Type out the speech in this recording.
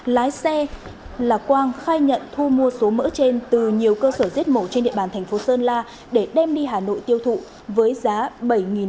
lái xe là quang khai nhận thu mua số mỡ trên từ nhiều cơ sở giết mổ trên địa bàn thành phố sơn la để đem đi hà nội tiêu thụ với giá bảy đồng